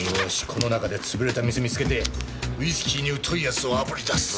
この中で潰れた店見つけてウイスキーに疎い奴をあぶり出す！